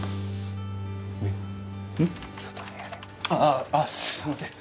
あっああすいません。